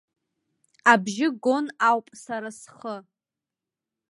Абжьы гон ауп сара схы.